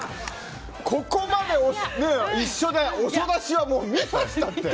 ここまで一緒で遅出しは見ましたって。